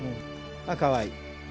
かわいい。